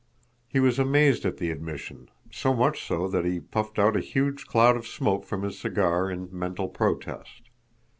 He was amazed at the admission, so much so that he puffed out a huge cloud of smoke from his cigar in mental protest.